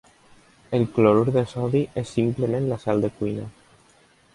El clorur de sodi és simplement la sal de cuina.